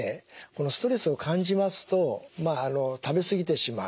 ストレスを感じますとまああの食べ過ぎてしまう。